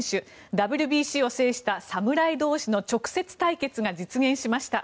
ＷＢＣを制した侍同士の直接対決が実現しました。